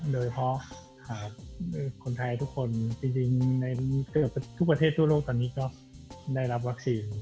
โดยเฉพาะคนไทยทุกคนจริงในทุกประเทศทั่วโลกตอนนี้ก็ได้รับวัคซีน